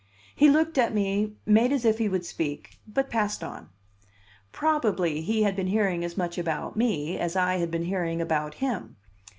He looked at me, made as if he would speak, but passed on. Probably he had been hearing as much about me as I had been hearing about him.